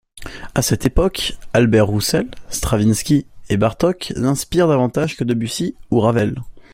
À cette époque Albert Roussel, Stravinski et Bartók l’inspirent davantage que Debussy ou Ravel.